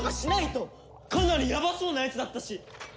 かなりやばそうなやつだったし。